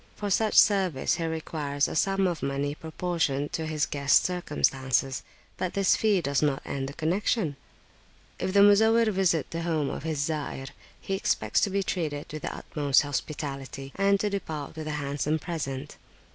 For such service he requires a sum of money proportioned to his guests' circumstances, but this fee does not end the connexion. If the Muzawwir visit the home of his Zair, he expects to be treated with the utmost hospitality, and to depart with a handsome present.